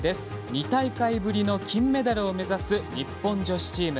２大会ぶりの金メダルを目指す日本女子チーム。